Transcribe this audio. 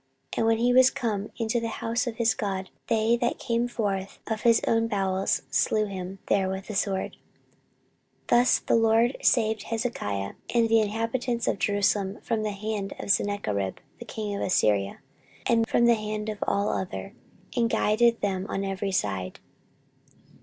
And when he was come into the house of his god, they that came forth of his own bowels slew him there with the sword. 14:032:022 Thus the LORD saved Hezekiah and the inhabitants of Jerusalem from the hand of Sennacherib the king of Assyria, and from the hand of all other, and guided them on every side.